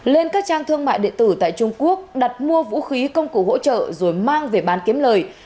lên các trang thương mại điện tử tại trung quốc đặt mua vũ khí công cụ hỗ trợ rồi mang về bán kiếm lời